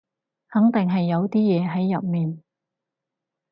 肯定係有啲嘢喺入面